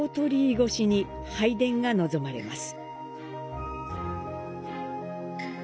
越しに拝殿が臨まれます。